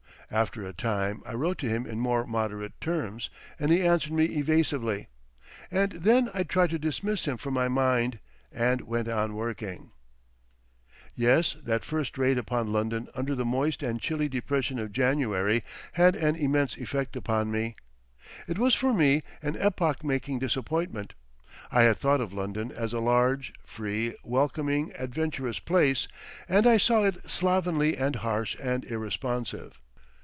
After a time I wrote to him in more moderate terms, and he answered me evasively. And then I tried to dismiss him from my mind and went on working. Yes, that first raid upon London under the moist and chilly depression of January had an immense effect upon me. It was for me an epoch making disappointment. I had thought of London as a large, free, welcoming, adventurous place, and I saw it slovenly and harsh and irresponsive.